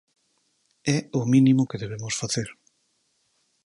É o mínimo que debemos facer.